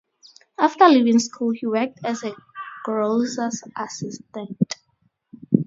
After leaving school, he worked as a grocer's assistant.